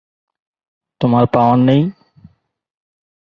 তোমার পাওয়ার নেই?